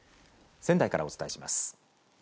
仙台からお伝えします。